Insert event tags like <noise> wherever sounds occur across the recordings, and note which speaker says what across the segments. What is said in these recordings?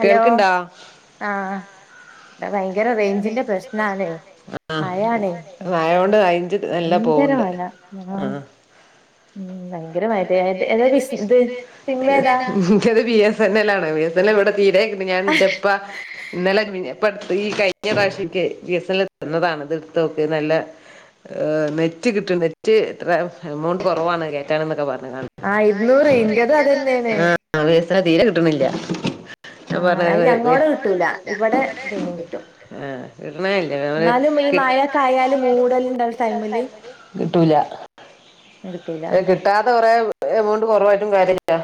Speaker 1: Hello
Speaker 2: കേൾക്കണ്ടാ
Speaker 1: ആഹ് അ ഭയങ്കര റേഞ്ചിന്റെ പ്രശ്നാണേ
Speaker 2: ആഹ്
Speaker 1: മഴ ആണേ
Speaker 2: മഴകൊണ്ട് റേഞ്ച് നല്ല
Speaker 1: ഭയങ്കര
Speaker 2: പോവ്ണ്ട്
Speaker 1: മഴ ഏതാ <unintelligible> ബിസ് ഇത് സിമ്മേതാ
Speaker 2: എനിക്കത് വിയർ തന്നെ അല്ല ഇവിടെ ബി എസ് എൻ എൽ ഇവടെ തീരെ കിട്ട്ണ്യാ ൻ്റെ ഉപ്പ ഇന്നലെ മിണ്ടിയാ പട്ട് ഈ കഴിഞ്ഞ പ്രാവശിക്കെ വി എസ് എൽ എത്തുന്നതാണ് അത് എട്ത്തതൊക്കെ നല്ല ഇഹ് നെറ്റ് കിട്ടും നെറ്റ് എത്ര എമൗണ്ട് കൊറവാണ് കേറ്റാനൊന്നക്ക പറഞ്ഞതാണ്
Speaker 1: ആഹ് ഇരുന്നൂറ് ഇന്റതും അതന്നെയാണ്
Speaker 2: ആഹ് ബി എസ് എൻ എൽ തീരെ കിട്ടണില്ല ഞാൻ
Speaker 1: ആഹ് അത്
Speaker 2: പറഞ്ഞ്
Speaker 1: ഞങ്ങളോട കിട്ടൂല ഇവടെ പിന്നേം കിട്ടും
Speaker 2: ആഹ് കിട്ടണേ ഇല്ല വേറെ
Speaker 1: എന്നാലും ഈ
Speaker 2: കിട്ട്
Speaker 1: മഴൊക്കെ ആയാല് മൂടലുണ്ടാവണ ടൈമില്
Speaker 2: കിട്ടൂല
Speaker 1: കിട്ടൂല
Speaker 2: ഏ കിട്ടാത്ത കൊറേ എമൗണ്ട് കൊറവായിട്ടും കാര്യ ഇല്ല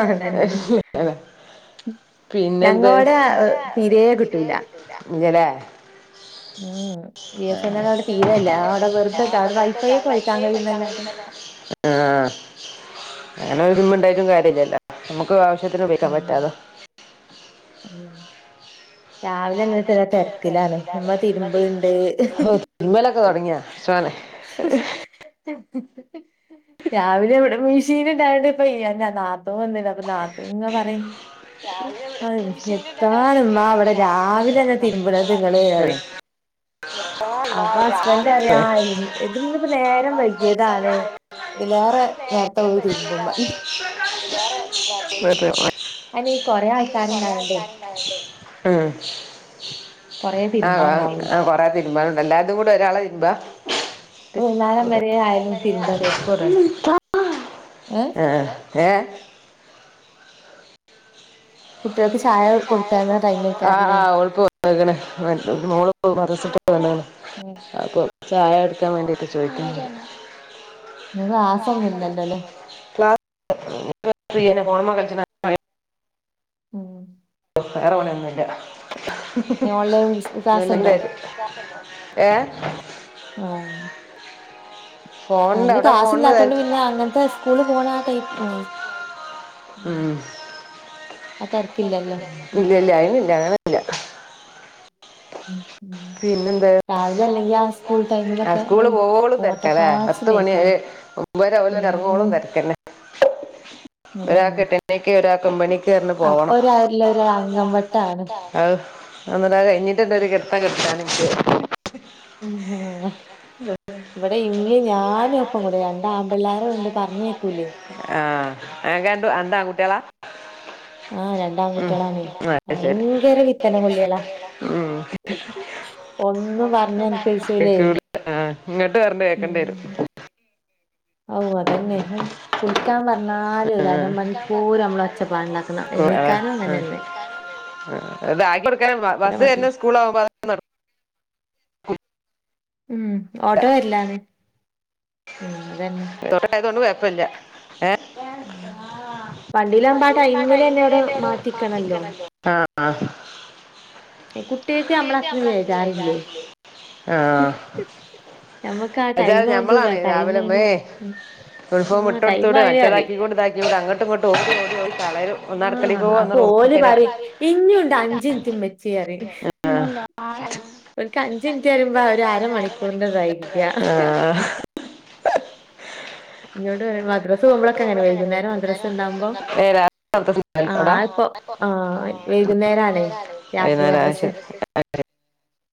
Speaker 1: അത് തന്നെ
Speaker 2: പിന്നെന്ത്
Speaker 1: ഞങ്ങളോടെ അത് തീരേ കിട്ടൂല
Speaker 2: ഇല്ല്യല്ലേ
Speaker 1: ഉം ബി
Speaker 2: <unintelligible>
Speaker 1: എസ് എൻ
Speaker 2: ആഹ്
Speaker 1: എൽ അവിടെ തീരെയില്ല അവിടെ വെറുതെ അവിടെ വൈഫൈ ഒക്കെ വലിക്കാൻ കഴിയുന്നല്ലാതെ
Speaker 2: അങ്ങനെ ഒരുമ ഉണ്ടായിട്ടും കാര്യല്ല്യല്ലോ നമ്മുക്ക് ആവശ്യത്തിന് ഉപയോഗിക്കാൻ
Speaker 1: ഉം
Speaker 2: പറ്റാതെ
Speaker 1: ഉം രാവിലെ എന്താച്ചാല് തെരക്കിലാണ് ഇമ്മ തിരുമ്പ് ഇണ്ട്
Speaker 2: ഓ തിരുമ്മലൊക്കെ തുടങ്ങിയ സോനെ
Speaker 1: രാവിലെ ഇവ്ടെ മിഷീൻ ഉണ്ടാവണ്ട് ഇപ്പ ഇങ്ങന നാ ഇപ്പ വന്നില്ലാതു നാത്തുന്ന പറയും
Speaker 2: രാവിലെ
Speaker 1: എത്താണ് ഇമ്മാ ഇവിടെ രാവിലെ തന്നെ തിരുമ്പണത് ഇങ്ങള്
Speaker 2: ആ.
Speaker 1: അറിയും അപ്പൊ ഹസ്ബൻ്റ് അറിയും ആ ഇത് ഇന്ന്പ്പ നേരം വൈകിയതാണ് ഇതിലേറെ നേരത്തെ പോയി തീരുമ്പും പറിം
Speaker 2: <inaudible> നേരത്തേ
Speaker 1: അയിന് ഈ കൊറേ ആൾക്കാരുണ്ടായോണ്ടേ
Speaker 2: ഉം
Speaker 1: കൊറേ
Speaker 2: ആവും ആവും
Speaker 1: തിരുമ്പാണ്ടാവും
Speaker 2: ആഹ് കൊറേ തിര് മ്പാനുണ്ട് എല്ലാര്തും കൂടെ ഒരാളാ തിര്മ്പാ
Speaker 1: വൈകുനേരം വരെ ആയാലും തിരുമ്പ
Speaker 2: <inaudible>
Speaker 1: ഏഹ്
Speaker 2: അ ഏഹ്
Speaker 1: കുട്ടികൾക്ക് ചായ അവർക്ക് കൊടുത്താരുന്ന
Speaker 2: ആഹ് ആ ഓൾക്ക് കൊട്ത്ത്ക്ക്ണ് മോൾപ്പ മദ്രസ വിട്ട് വന്ന്ക്ക്ണ്
Speaker 1: ഉം
Speaker 2: അപ്പൊ ചായ കൊടുക്കാൻ വേണ്ടിട്ട് ചോദിക്ക <inaudible>
Speaker 1: ഇന്ന് ക്ലാസ്സൊന്നും ഇല്ലല്ലോല്ലേ
Speaker 2: ഫോണ് മേ കളിച്ച്ണ
Speaker 1: ഉം
Speaker 2: വേറെ പണി ഒന്നുല്ല
Speaker 1: ഇനി ഓൺലൈൻ
Speaker 2: <unintelligible>
Speaker 1: ക്ലാസ് ഉണ്ടോ
Speaker 2: നന്നണ്ടത് ഏഹ
Speaker 1: ആഹ്
Speaker 2: ഫോണിന്റെ
Speaker 1: ഇന്ന്
Speaker 2: അവിടെ
Speaker 1: ക്ലാസ്
Speaker 2: ഫോണിന്
Speaker 1: ഇല്ലാത്തോണ്ട്
Speaker 2: തെരക്ക്
Speaker 1: പിന്നെ അങ്ങനത്തെ സ്കൂള് പോണ ആ ടൈ ആ
Speaker 2: ഉം
Speaker 1: തിരക്കില്ലല്ലോ ഉം
Speaker 2: ഇല്ല ഇല്ല അയ്നില്ല ഏ
Speaker 1: ഉം ഉം
Speaker 2: പിന്നെന്താ
Speaker 1: രാവിലെ അല്ലെങ്കി ആ സ്കൂൾ
Speaker 2: ആ
Speaker 1: ടൈമിലൊക്കെ അഹ്
Speaker 2: സ്കൂള് പോവോളും തിരക്കല്ലേ പത്ത് മണി
Speaker 1: ഓട്ടപ്പാച്ചിലേക്കാരം
Speaker 2: ഒമ്പതരാ <unintelligible>
Speaker 1: ഉം
Speaker 2: ഇറങ്ങോലം തരക്കെന്നെ ഒരാൾക്ക്
Speaker 1: അതന്നെ
Speaker 2: എട്ടണിക്ക് ഒരാൾക്ക് ഒമ്പണിക്ക് പറഞ്ഞ്
Speaker 1: അപ്പൊ
Speaker 2: പോവണം
Speaker 1: ഒരു ആരില ഒരു അങ്കംവട്ടാണ്
Speaker 2: അഹ് അന്നിട്ട് കഴിഞ്ഞിട്ട്ണ്ട് ഒരു കിട്ത്തം കിട്ക്കാണ് എനിക്ക്
Speaker 1: ഉം ഹാ ഇവിടെ ഇമ്മി ഞാനും ഒപ്പം കൂടെ രണ്ട ആമ്പിള്ളോര ഉണ്ട് പറഞ്ഞേക്കൂലേ
Speaker 2: ആഹ് അൻക്കണ്ടു രണ്ട് ആൺ കുട്ടിളാ
Speaker 1: ആഹ് രണ്ടാകുട്ടികളാണേ
Speaker 2: അത് ശരി
Speaker 1: ഭയങ്കര പിത്തന കൊള്ളിളാ
Speaker 2: ഉം
Speaker 1: ഒന്നും പറഞ്ഞനുസരിച്ചുല്ലേ
Speaker 2: ആഹ് ഇങ്ങോട്ട് പറഞ്ഞ് കേക്കേണ്ടി വരും
Speaker 1: ഔ അതന്നെ അഹ് കുളിക്കാൻ പറ ന്നാലും
Speaker 2: ആ
Speaker 1: ഒരു അര മണിക്കൂർ നമ്മള ഒച്ചപ്പാടുണ്ടാക്കണം
Speaker 2: സ്കൂ-
Speaker 1: എണീക്കാനും അങ്ങനെന്നെ
Speaker 2: ഇത് ആക്കി കൊടുക്കാന
Speaker 1: ഭയങ്കര
Speaker 2: ബസ്
Speaker 1: മടിയാ
Speaker 2: വരുന്ന സ്കൂൾ ആവുമ്പോ
Speaker 1: ഉം ഓട്ടോ വര്ല്ലാന്ന് ഉം അതന്നെ
Speaker 2: ഇതോട്ട ണ്ടായതൊണ്ട് കെഴപ്പല്ല്യ ഏഹ്
Speaker 1: ഉം വണ്ടിലാഉമ്പോ അ ടൈമിലെന്നെ അവിടെ മാറ്റിക്കണല്ലോ
Speaker 2: ആ ആ,
Speaker 1: എഹ് കുട്ട്യേക്ക് നമ്മളത്രി വേജാറില്ലേ
Speaker 2: ആ
Speaker 1: ഞമ്മക്ക് ആ ടൈം
Speaker 2: വെച്ചാൽ ഞമ്മളാണ്
Speaker 1: ആവുമ്പ
Speaker 2: രാവിലെ മേ
Speaker 1: ടൈമേനു ഉം ആ ടൈം ആയാ അരറിം
Speaker 2: <unintelligible> താക്കി ടെ അങ്ങട്ടും ഇങ്ങട്ടും ഓടി ഓടി തളരും
Speaker 1: ആഹ് അപ്പൊ ഓൽ പറിം ഇഞ്ഞുംണ്ട് അഞ്ച് മിൻറ്റ് ഇമ്മചേ അറിം
Speaker 2: ആഹ് <unintelligible> ഓല്ക്
Speaker 1: മിനിറ്റ്
Speaker 2: അഞ്ചിൻറ്റ്
Speaker 1: പറയുമ്പോ
Speaker 2: വരുമ്പോ ഒരു
Speaker 1: അരമണിക്കൂറിന്റെതായിരിക്ക
Speaker 2: അരമണിക്കൂറിതായി
Speaker 1: ഇന്നോടറിം മദ്രസ് പോവുമ്പളൊക്കെ ങ്ങനെ വൈകുന്നേരം മദ്രസ് ണ്ടാവുമ്പോ
Speaker 2: ഏ രാവിലെ അവിടുത്തെ സ്ഥലം എവിടാ?
Speaker 1: ആഹ് ഇപ്പോ ആഹ് വൈകുന്നേരാണ് രാത്രി
Speaker 2: വൈകുന്നേരം ആ
Speaker 1: മദ്രസ്
Speaker 2: ശരി ആ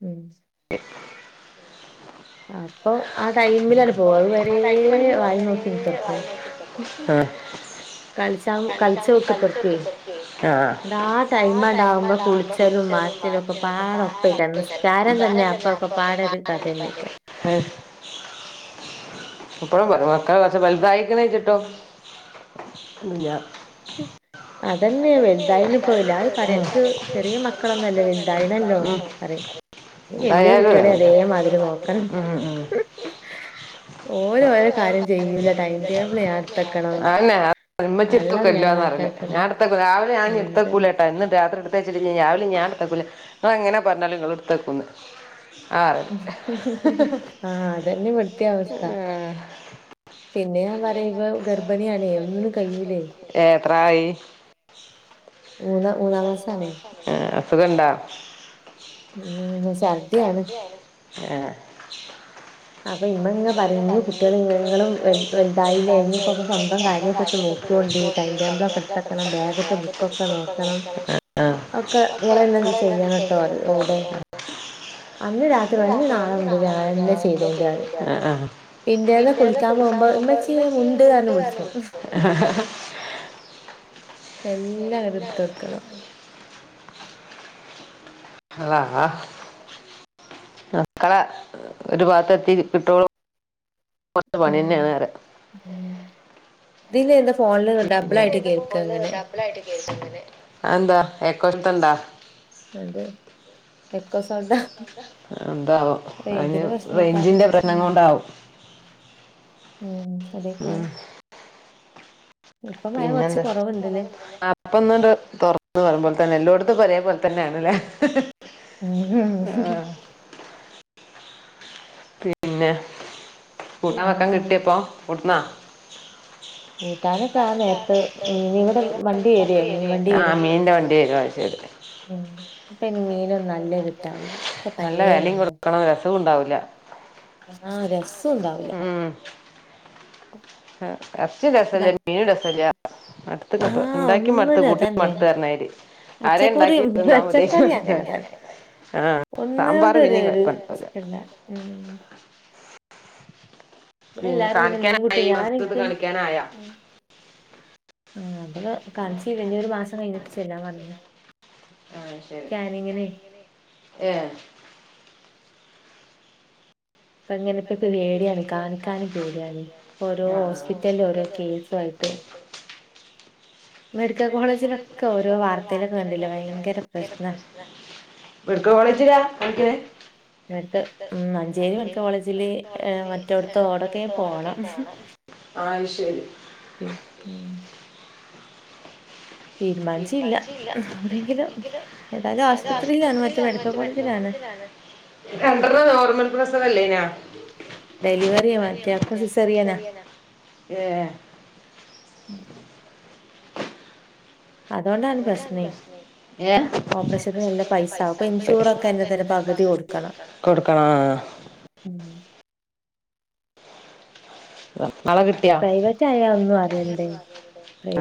Speaker 1: ഉം
Speaker 2: <inaudible>
Speaker 1: അപ്പൊ ആ ടൈമിലട് പോവു അഹ് വരെ വായി നോക്കിത്ർക്കും <unintelligible>
Speaker 2: ശരി.
Speaker 1: കളിച്ചം കളിച്ചോക്ത്ർക്കേ
Speaker 2: ആ
Speaker 1: ൻട്ടാ ടൈമട് ആവുമ്പോ കുളിച്ചലും മാ ച്ചലൊക്കെ പാടെ ഓപ്പയ്ക്കാരം നിസ്കാരം തന്നെ അപ്പൊക്കെ പാട ഒരു കഥന്നെയ്ക്ക
Speaker 2: എഹ് ഇപ്പയും പരിം മക്കൾ കൊർച്ക വലുതായിക്ക്ണ്ചിട്ടും ന്നില്ല
Speaker 1: <unintelligible> അതന്നെയ വലുതായ്ന് ഇപ്പോ എല്ലാരും പറിം അൻക് ചെറിയ മക്കളൊന്നല്ലേ വലുതായ്ണല്ലോ പറിം പ്പ വല്യ
Speaker 2: എന്തായാലും
Speaker 1: കുട്ടളീം അതേ
Speaker 2: ഇതാണ്.
Speaker 1: മാതിരി നോക്കണം
Speaker 2: ഉം ഉം.
Speaker 1: ഓല് ഓലെ കാര്യം ചെയ്യൂല്ല ടൈടേബിൾ ഞാൻ എട്ത്തക്കണം
Speaker 2: മ്മച്ചെട്ത്തൊക്കെല്ലോന്നറേല് ഞാൻടുത്തക്കൂല രാവിലെ
Speaker 1: ആഹ് അതന്നെ
Speaker 2: ഞാൻടുത്തക്കൂലട്ടൊ ഇന്ന് രാത്രിട് ത്തച്ച്ട്ട്ല്ലെങ്കി രാവിലെ ഞാൻ ഇടുത്തക്കൂല ങ്ങൾ എങ്ങനെ പറഞ്ഞാലും ങ്ങള് ഇടുത്തക്കുന്ന് ആഹ്
Speaker 1: ആഹ് അതന്നെ
Speaker 2: ഏഹ്
Speaker 1: പിന്നെഅറിഞ്ഞാല് ഇവ ഗർഭിണിയാണേ ഒന്നും കഴിയൂല്ലേ
Speaker 2: ഏത്രായി
Speaker 1: മൂന്നാ മൂന്നാം മാസാണേ
Speaker 2: എഹ് അസുഖണ്ടാ
Speaker 1: ഉം ഛർദിയാണ്
Speaker 2: ഏഹ്
Speaker 1: അപ്പൊ ഇമ്മ ഇങ്ങ പറയും ഇഞ്ഞ് കുട്ടികൾ ഇങ്ങളും വലുതായില്ലേ ഇനിയിപ്പൊക്കെ സ്വന്തം കാര്യൊക്കെ നോക്കിക്കോണ്ടി ടൈം ടേബിളൊക്കെ എടുത്തക്കണം ബാഗത്തെ ബുക്കൊക്കെ
Speaker 2: <inaudible> <inaudible>
Speaker 1: നോക്കണം
Speaker 2: അഹ്
Speaker 1: ഒക്കെ
Speaker 2: ആഹ്
Speaker 1: ഇങ്ങളന്നെ ചെയ്യണട്ടോ പറയും ഓടെ രാത്രി
Speaker 2: അന്ന്
Speaker 1: പറയും ഇഞ്ഞ് നാളെ മുതൽ ഞാനെന്നെ
Speaker 2: രാത്രി <unintelligible> ന്നെ
Speaker 1: പറയും
Speaker 2: ചെയ്തോണ്ട്
Speaker 1: പിറ്റേന്ന്
Speaker 2: ഇന്റേന്ന്
Speaker 1: കുളിക്കാൻ
Speaker 2: കുളിച്ചാൻ
Speaker 1: പോകുമ്പോ
Speaker 2: പോഉമ്പോ
Speaker 1: ഉമ്മച്ചി
Speaker 2: മ്മച്ചീ
Speaker 1: പറഞ്ഞ്
Speaker 2: മുണ്ട് അർഞ്
Speaker 1: വിളിച്ചും
Speaker 2: വിളിക്കു ആ
Speaker 1: എല്ലാം അങ്ങട്ട് എടുതൊട്ക്കണം
Speaker 2: അള്ളാഹ് മക്കള ഒരു ഭാത്ത് എത്തി കിട്ടോളൂ കൊർച്
Speaker 1: ഉം
Speaker 2: പണിന്നെണ് അറ്യ
Speaker 1: ഉം ഇതില് എന്താ ഫോണില് ഡബിൾ ആയിട്ട് കേക്കങ്ങനെ
Speaker 2: അഎന്താ ഏക്കോര്ത്തണ്ടാ
Speaker 1: അതെ എക്കോ സൗണ്ട
Speaker 2: എന്താവോ
Speaker 1: റേൻജ്
Speaker 2: അതിന്
Speaker 1: ന്റെ പ്രശ്നേകാരം
Speaker 2: റേഞ്ചിന്റെ പ്രശ്നം
Speaker 1: ഉം
Speaker 2: കൊണ്ടാവും
Speaker 1: ഉം
Speaker 2: ഉം
Speaker 1: അതേയ്ക്കാരം ഇപ്പം മഴ കുറച്ച്കുറവുണ്ട്ലേ
Speaker 2: ഇപ്പന്നണ്ട് തുറക്ക്നൊള്ളു പോൽതന്നെ എല്ലോടത്തുക്കെ ഒരേ പോൽ തന്നെണല്ലേ
Speaker 1: ഉം
Speaker 2: പിന്നെ കൂട്ടാൻ വെക്കാ
Speaker 1: പിന്നെന്താ
Speaker 2: കിട്ടിയപ്പോ കൊട്ന്നാ
Speaker 1: കൂട്ടാനൊക്കെ ആ നേരത്ത് മീന് ഇവിടെ വണ്ടി വരേ മീൻ വണ്ടി
Speaker 2: ആ
Speaker 1: വരും
Speaker 2: മീനിന്റെ വണ്ടി വരും അത് ശരി
Speaker 1: ഉം ഇപ്പയിന് മീനൊന്നു നല്ല കിട്ടാനില്ല ഒക്കെ
Speaker 2: നല്ല
Speaker 1: പഴയ
Speaker 2: വെലിം
Speaker 1: മീനാ
Speaker 2: കൊടുക്കണം രസൊണ്ടാവൂല
Speaker 1: ആഹ് രസ്സൊ ഉണ്ടാവുല്ല
Speaker 2: എർചി രസല്ല ഒരു മീനു രസല്ല അടുത്ത
Speaker 1: ആ
Speaker 2: കപ്പ ഉണ്ടാക്കി മടുത്ത് കൂട്ടി മടുത്ത് പറഞ്ഞാരി
Speaker 1: അച്ചക്കുറിയും പച്ചക്കറി അങ്ങന തന്നെ
Speaker 2: ആ സാമ്പാർ
Speaker 1: ഒന്നോണ്ടൊരു
Speaker 2: പിന്നെയും
Speaker 1: ഒരു
Speaker 2: കുഴപ്പമുണ്ടാവില്ല
Speaker 1: പിന്ന ഉം ഇവിടെ എല്ലരും പിന്നെ മീൻകൂട്ടി
Speaker 2: കാണിക്കാനായി ഈ
Speaker 1: ഞാൻ
Speaker 2: മാസത്ത്
Speaker 1: ഇൻക്ക്
Speaker 2: കാണിക്കാനായാ
Speaker 1: ഉം ബള് കാണിച്ചീല ഇനി ഒരു മാസം കയിഞ്ഞിട്ട് ചെല്ലാൻ പർഞ്ഞു
Speaker 2: ആഹ് ശെ
Speaker 1: സ്കാനിങ്ങിനെ
Speaker 2: ഏഹ്
Speaker 1: ഇപ്പ ഇങ്ങനെപ്പ പേടിയാണ് കാണിക്കാനും പേടിയാണ് ഓരോ
Speaker 2: ആ
Speaker 1: ഹോസ്പിറ്റലില് ഓരോ കേസു ആയി ത്ത് മെഡിക്കൽ കോളേജിലൊക്കെ ഓരോ വാർതേൽ കണ്ടി
Speaker 2: മെഡിക്ക കോളേജിലാ കാണിക്ക്ണ്
Speaker 1: ന്നിത്ത് ഉം മഞ്ചേരി മെഡിക്കൽ കോളേജില് മറ്റോടത്ത ഓടൊക്കെ പോണം
Speaker 2: ആയി ശേരി
Speaker 1: ഉം ഉം തീരുമാനിച്ചീല്ല എവിടെങ്കിലും ഏതാത് ആമ്പ്പത്രിലാണ് മറ്റ് മെഡിക്കൽ കോളേജിലാണ് <inaudible>
Speaker 2: രണ്ടണം നോർമൽ പ്രസവല്ലേനോ
Speaker 1: ഡെലിവറിയാ മറ്റേ ആക് സിസേറിയനാ
Speaker 2: ഏഹ്
Speaker 1: അതുകൊണ്ടാണ് പ്രശ്നേ
Speaker 2: ഏ
Speaker 1: ഓപ്പറേഷത്തിന് നല്ല പൈസ അപ്പ ഇൻഷൂറൊക്കെ എന്റെ തന്നെ പകുതി കൊടു കണ
Speaker 2: കൊട്ക്കണാ
Speaker 1: ഉം
Speaker 2: നാളെ കി
Speaker 1: പ്രൈവറ്റ് ആയാ ഒന്നും അറിയണ്ടേ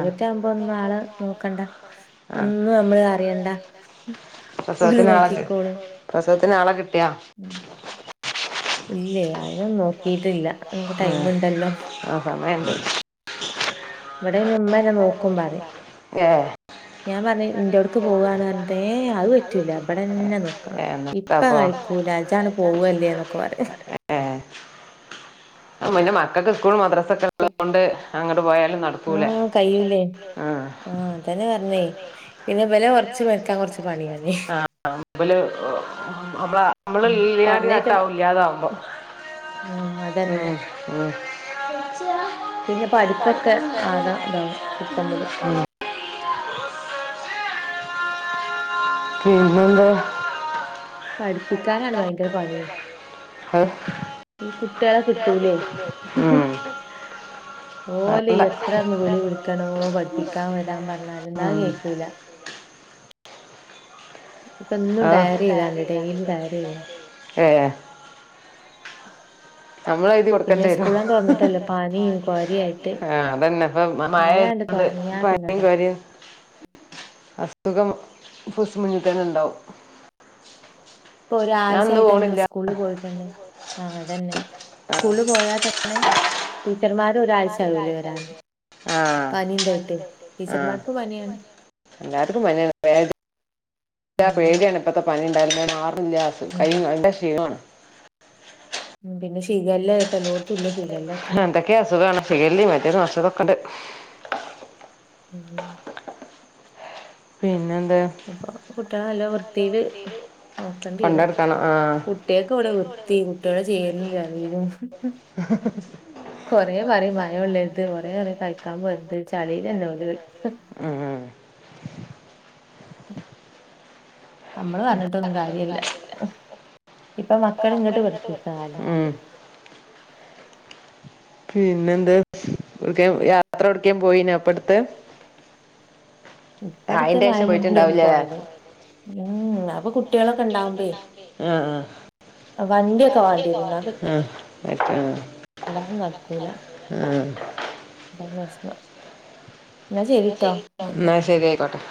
Speaker 2: ആ
Speaker 1: ആവുമ്പോ ഒന്നു ആള് നോക്കണ്ട
Speaker 2: ആ
Speaker 1: ഒന്നു അമ്മള് അറിയണ്ട ഓല്
Speaker 2: പ്രസവത്തിന് ആളെ കി പ്രസവത്തിന് ആളെ കിട്ടിയാ
Speaker 1: ഇല്ല്യേ ആരെയും നോക്കീട്ടില്ല
Speaker 2: ഉം ആഹ് സമയണ്ട്
Speaker 1: ഇവിടെയ്ന് ഉമ്മന്നെ നോക്കുമ്പറി
Speaker 2: ഏഹ്
Speaker 1: ഞാ പറഞ്ഞ് ഇന്റൊട്ക്ക് പോവാണ്റഞ്ഞി ഏഹ് അത് പറ്റൂല്ല ഇമ്പടെന്നെ നിക്കണ
Speaker 2: ഏ, എന്നിട്ട്
Speaker 1: ഇപ്പ
Speaker 2: അപ്പോ
Speaker 1: അയക്കൂല്ല ഇജണ്ട് പോവല്ലേ ന്നൊക്കെ പറയു
Speaker 2: ഏഹ് പിന്നെ മക്കക്ക് സ്കൂളു മദ്രസൊക്കെ പിള്ളേരെ കൊണ്ട് അങ്ങട്ട് പോയാലും നടക്കൂല
Speaker 1: ആഹ് കയ്യൂലേ
Speaker 2: ആഹ്
Speaker 1: ആഹ് അതന്നെ പറഞ്ഞേ പിന്നെ ഇവരെ കുറച്ച് മെക്കാ കുറച്ച് പണിഞ്ഞേ
Speaker 2: ആഹ് <unintelligible> മാപ്പ്ള നമ്മള്
Speaker 1: ഉം
Speaker 2: ഇല്ലാണ്ട് കേട്ടാ
Speaker 1: പറഞ്ഞേക്ക്ന്ന
Speaker 2: ഇല്ലാതാവുമ്പോ
Speaker 1: ഉം അതന്നെ
Speaker 2: ഉം ഉം
Speaker 1: പിന്നെ പഠിപ്പൊക്കെ ആകാ ഇതാവും കിട്ടമ്പോള്
Speaker 2: പിന്നെ എന്താ
Speaker 1: പഠിപ്പിക്കാനാണ് ഭയങ്കര പണി
Speaker 2: ഏ?
Speaker 1: ഈ കുട്ടിയാളെ കിട്ടൂലേയ്
Speaker 2: ഉം,
Speaker 1: ഓലെ
Speaker 2: വേണ്ട
Speaker 1: എത്രന്ന് വിളി വിളിക്കണോ പഠിപ്പിക്കാൻ വരാൻ പറഞ്ഞാല് ന്നാ
Speaker 2: ഉം.
Speaker 1: കേക്കൂല ഇപ്പെന്നും
Speaker 2: ആ
Speaker 1: ഡയറി ചെയ്താണ്ട് ഡെയിലി ഡയറിയ്യും
Speaker 2: ഏ നമ്മളെ എഴുതി
Speaker 1: <inaudible> പിന്നെ
Speaker 2: കൊടുക്കേണ്ടി വരും
Speaker 1: സ്കൂളാന്ന് തൊറന്നിട്ടല്ലോ പണിം കൊരിആയിട്ട്
Speaker 2: ആ അതന്നെ ഇപ്പൊ മ- മഴ
Speaker 1: മഴാണ്ട്
Speaker 2: ആയതുകൊണ്ട്
Speaker 1: തുടങ്ങിയാ
Speaker 2: പനിയും
Speaker 1: പിന്നത
Speaker 2: കാര്യം അസുഖം കൊറച്ചു മുന്ന്തന്നെണ്ടാവും
Speaker 1: ഇപ്പൊ
Speaker 2: ഇന്ന്
Speaker 1: ഒരാഴ്ചായിട്ടെന്നെ
Speaker 2: പോണില്ല
Speaker 1: സ് സ്കൂള് പോയിട്ടന്നെ ആഹ് അതന്നെ
Speaker 2: ആ
Speaker 1: സ്കൂള് പോയാൽ തന്നെ ടീച്ചർമാര് ഒരാഴ്ച ആവുലേ വരാൻ
Speaker 2: ആ
Speaker 1: പനി ണ്ടായിട്ടെയ് ടീച്ചർമാർക്ക് പനിയാണ്
Speaker 2: വല്ലാത്തൊരു പനിയാണ് <unintelligible>
Speaker 1: ഉം ഉം
Speaker 2: ഇപ്പഴത്തെ പനി ഉണ്ടായിന് മാർണില്ല <unintelligible>
Speaker 1: ഉം
Speaker 2: കയ്യ് <unintelligible> നല്ല ക്ഷീണം
Speaker 1: ഉം പിന്നെ ശിഖല്ല ഇപെലോട്ത്തുംല്ലെ ശി
Speaker 2: എന്തൊക്കേ അസുഖണ് ഷിഖല്ലിം മറ്റേതും മറിച്ചതും ഒക്കെ ഉണ്ട്
Speaker 1: ഉം
Speaker 2: പിന്നെ എന്തെ
Speaker 1: അപ്പൊ കുട്ടിയാളെ നല്ല വൃത്തിയില് നോക്കണ്ടിവരും
Speaker 2: എന്തർത്താനം ആഹ്
Speaker 1: കുട്ടിയാക്കെവ്ടെ വൃത്തി കുട്ടിയാള് ചേൽലും ചളി ലും
Speaker 2: <unintelligible>
Speaker 1: കൊറെ പറിം മഴ കൊള്ളരുത് കൊറേ പറിം കളിക്കാൻ പോര്ത് ചളിലെന്നെ ഓര് കളിക്ക
Speaker 2: ആഹ്
Speaker 1: അമ്മള് പറഞ്ഞിട്ടൊന്നും കാര്യല്ല ഇപ്പൊ
Speaker 2: ഉം
Speaker 1: മക്കള് ഇങ്ങട്ട് പഠിപിക്ക്ണ കാലാ
Speaker 2: ഉം ഉം പിന്നെ എന്തെ ഒട്ക്കേൻ യാത്ര ഒട്ക്കേൻ പോയിന്യോ ഇപ്പട്ത്ത്
Speaker 1: ഇപ്പ അടുത്ത്
Speaker 2: അയിന്റെ ശേഷം
Speaker 1: വയനാട് ഒന്ന്
Speaker 2: പോയിട്ടുണ്ടാവൂലേ
Speaker 1: പോയത് ഉം അപ്പൊ കുട്ടികളൊക്കെ ഇണ്ടാവുമ്പേ
Speaker 2: ആഹ് ആഹ് വണ്ടി
Speaker 1: വേണ്ടി
Speaker 2: ഒക്കെ <unintelligible> അഹ് ആഹ് ആഹ്
Speaker 1: ഇല്ലാതെ നടക്കൂല
Speaker 2: ആഹ്
Speaker 1: അതാ പ്രശ്നം ന്നാ ശരിട്ടോ ന്നാ
Speaker 2: എന്നാ
Speaker 1: അയിക്കോട്ടെ
Speaker 2: ശരി ആയിക്കോട്ടെ